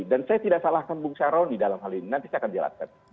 dan saya tidak salahkan bung cah rony dalam hal ini nanti saya akan jelaskan